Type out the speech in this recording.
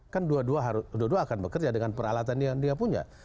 kan dua dua akan bekerja dengan peralatan yang dia punya